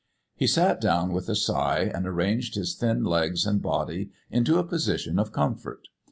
He sat down with a sigh and arranged his thin legs and body into a position of comfort.